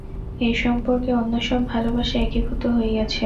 এই সম্পর্কে অন্য সব ভালবাসা একীভূত হইয়াছে।